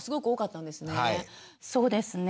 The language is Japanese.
そうですね。